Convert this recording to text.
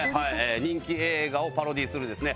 人気映画をパロディーするですね